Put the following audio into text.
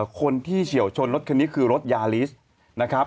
คนที่เฉียวชนรถคนนี้คือรถยาลิสต์นะครับ